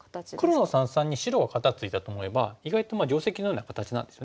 黒の三々に白が肩ツイたと思えば意外と定石のような形なんですよね。